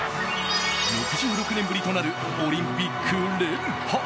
６６年ぶりとなるオリンピック連覇。